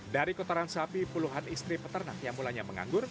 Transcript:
dari kotoran sapi puluhan istri peternak yang mulanya menganggur